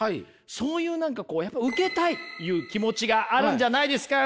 そういう何かこうやっぱりウケたいっていう気持ちがあるんじゃないですか？